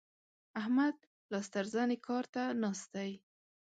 احمد لاس تر زنې کار ته ناست دی.